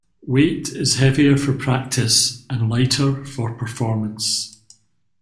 Weight is heavier for practice and lighter for performance.